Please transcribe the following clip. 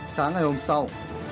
sáng ngày hôm sau